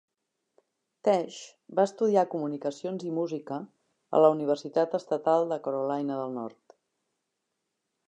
Tesh va estudiar comunicacions i música a la Universitat Estatal de Carolina del Nord.